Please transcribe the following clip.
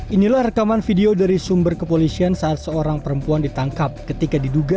inilah rekaman video dari sumber kepolisian saat seorang perempuan ditangkap ketika diduga